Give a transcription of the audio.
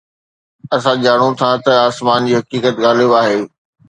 اسان ڄاڻون ٿا ته آسمان جي حقيقت غالب آهي